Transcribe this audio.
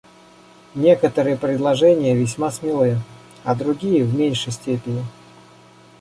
Некоторые предложения весьма смелы, а другие — в меньшей степени.